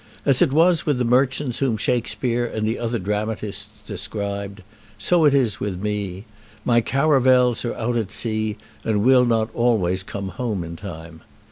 As it was with the merchants whom Shakespeare and the other dramatists described, so it is with me. My caravels are out at sea, and will not always come home in time.